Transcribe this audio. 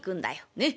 ねっ。